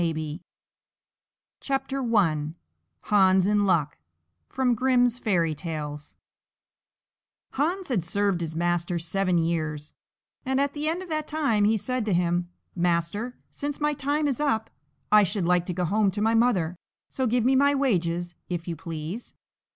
MABIE FOLK TALES EVERY CHILD SHOULD KNOW I HANS IN LUCK Hans had served his Master seven years, and at the end of that time he said to him: "Master, since my time is up, I should like to go home to my mother; so give me my wages, if you please."